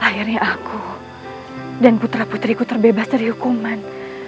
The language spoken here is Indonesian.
akhirnya aku dan putera puteriku terbebas dari hukuman